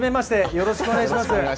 よろしくお願いします。